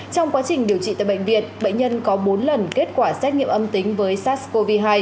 trong quá trình điều trị tại bệnh viện bệnh nhân có bốn lần kết quả xét nghiệm âm tính với sars cov hai